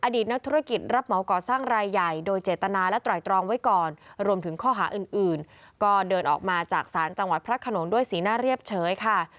นักธุรกิจรับเหมาก่อสร้างรายใหญ่โดยเจตนาและไตรตรองไว้ก่อนรวมถึงข้อหาอื่นก็เดินออกมาจากศาลจังหวัดพระขนงด้วยสีหน้าเรียบเฉยค่ะ